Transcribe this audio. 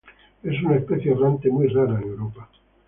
Es una especie errante muy rara en Europa.